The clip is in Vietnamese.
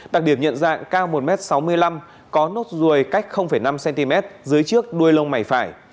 đặc điểm nhận dạng cao một m sáu mươi năm có nốt ruồi cách năm cm dưới trước đuôi lông mày phải